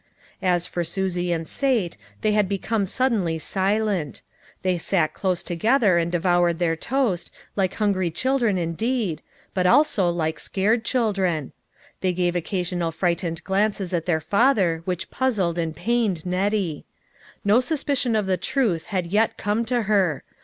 As for Susie and Sate, they had become suddenly silent. They sat close together and devoured their toast, like hungry children indeed, but also like scared children. They gave occasional frightened glances at their father which puzzled and pained Nettie. No suspicion of the truth had yet come to her.